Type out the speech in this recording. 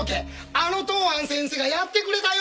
あの東庵先生がやってくれたよ！